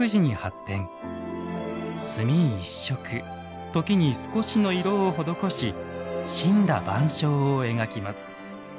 墨一色時に少しの色を施し森羅万象を描きます。